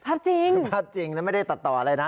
ภาพจริงภาพจริงแล้วไม่ได้ตัดต่ออะไรนะ